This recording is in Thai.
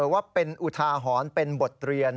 ว่าเป็นอุทาหรณ์เป็นบทเรียน